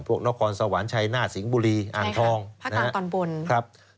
พวกนอกรสวรรค์ชัยนาศสิงห์บุรีอ่านทองพระกาลตอนบน